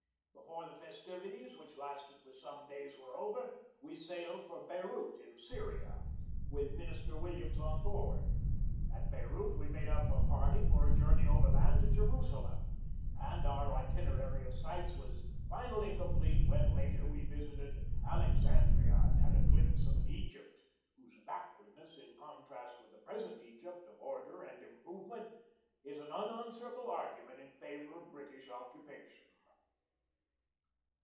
Before the festivities, which lasted for some days, were over we sailed for Beirut in Syria, with Minister Williams on board. At Beirut we made up a party for a journey over land to Jerusalem, and our itinerary of sights was finally complete when, later, we visited Alexandria and had a glimpse of an Egypt whose backwardness, in contrast with the present Egypt of order and im provement, is an unanswerable argument in favor of British occupation.